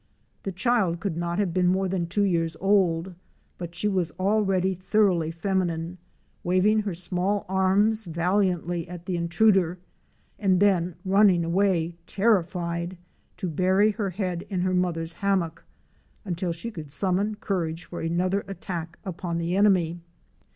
The child could not have been more than two years old — but she was already thoroughly feminine, waving her small arms valiantly at the intruder and then running away terrified to bury her head in her mother's hammock, until she could summon courage for another attack upon the enemy.